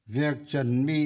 việc chuẩn bị